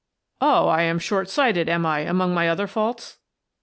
" Oh, I am short sighted, am I, among my other faults?"